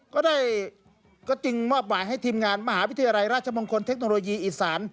ก็ได้ก็จึงมอบหมายให้ทีมงานมหาวิทยาลัยราชมงคลเทคโนโลยีอีสาน